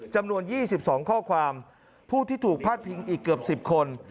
จำนวน๒๒ข้อความผู้ที่ถูกพาดพิงอีกเกือบ๑๐คน